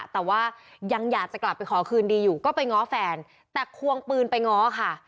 แต่ว่ายังอยากจะกลับไปขอคืนดีอยู่ก็ไปง้อแฟนแต่ควงปืนไปง้อค่ะ